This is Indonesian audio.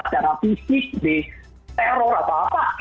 secara fisik teror atau apa